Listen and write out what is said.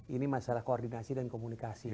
ini masalah koordinasi dan komunikasi